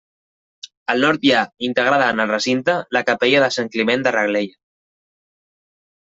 Al nord hi ha, integrada en el recinte, la capella de Sant Climent de Reglella.